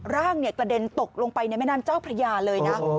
ร่างกระเด็นตกลงไปในแม่น้ำเจ้าพระยาเลยนะ